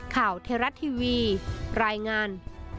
ข่าวเทราะต์ทีวีรายงาน